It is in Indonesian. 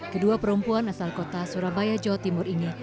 kedua perempuan asal kota surabaya jawa timur ini